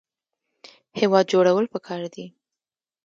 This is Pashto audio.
هیواد جوړول پکار دي